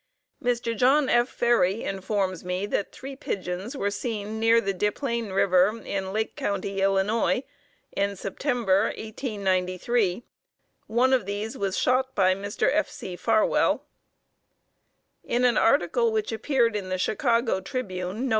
Mr. John F. Ferry informs me that three pigeons were seen near the Des Plaines River in Lake County, Ill., in September, 1893. One of these was shot by Mr. F. C. Farwell. In an article which appeared in the Chicago Tribune Nov.